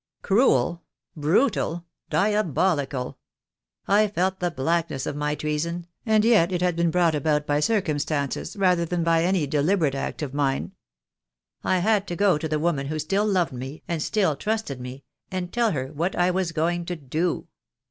"Cruel — brutal — diabolical! I felt the blackness of my treason, and yet it had been brought about by cir cumstances rather than by any deliberate act of mine. I had to go to the woman who still loved me, and still trusted me, and tell her what I was going to do.